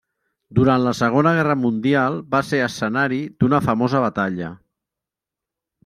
Durant la Segona Guerra Mundial va ser escenari d'una famosa batalla.